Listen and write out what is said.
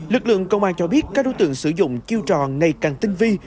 lực lượng công an cho biết các đối tượng sử dụng chiêu trò ngày càng tinh vi